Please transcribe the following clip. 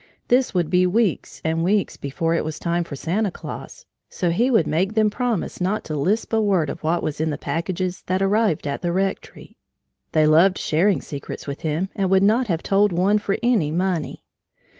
This would be weeks and weeks before it was time for Santa Claus, so he would make them promise not to lisp a word of what was in the packages that arrived at the rectory. They loved sharing secrets with him and would not have told one for any money.